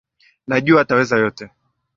Najua ataweza yote.